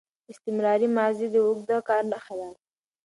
استمراري ماضي د اوږده کار نخښه ده.